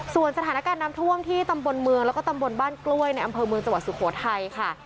ส่วนสถานการณ์น้ำท่วมที่ตำบลเมืองแล้วก็ตำบลบ้านกล้วยในอำเภอเมืองจังหวัดสุโขทัยค่ะ